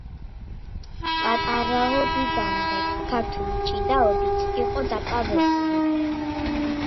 პატარაობიდანვე ქართული ჭიდაობით იყო დაკავებული.